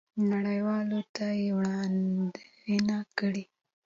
نړیوالو ته یې وړاندې کړئ.